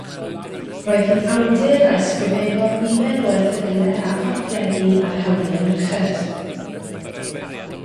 Roedd hi'n awdur a ysgrifennodd nifer o erthyglau a phamffledi ar hawliau merched.